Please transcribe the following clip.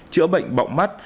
chữa bệnh bọng mắt